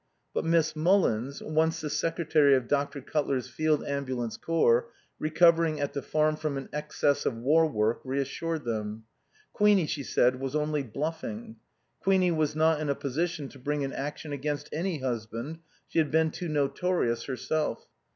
But Miss Mullins (once the secretary of Dr. Cutler's Field Ambulance Corps), recovering at the Farm from an excess of war work, reassured them. Queenie, she said, was only bluffing. Queenie was not in a position to bring an action against any husband, she had been too notorious herself.